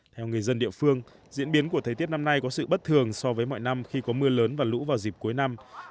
theo người dân địa phương diễn biến của thời tiết năm nay có sự bất thường so với mọi năm khi có mưa lớn và lũ vào dịp cuối năm